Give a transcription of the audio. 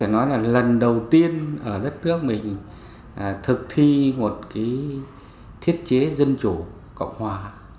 nói là lần đầu tiên ở đất nước mình thực thi một thiết chế dân chủ cộng hòa